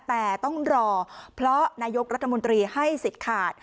แต่ต้องรอเพราะนายกรัฐมนตรีให้สิทธิ์ขาด